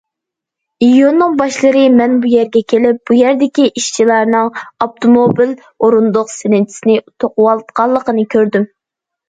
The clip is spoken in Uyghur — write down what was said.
ئىيۇننىڭ باشلىرى مەن بۇ يەرگە كېلىپ بۇ يەردىكى ئىشچىلارنىڭ ئاپتوموبىل ئورۇندۇق سېلىنچىسىنى توقۇۋاتقانلىقىنى كۆردۈم.